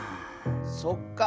そっか。